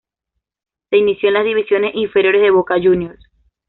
Se inició en las Divisiones Inferiores de Boca Juniors.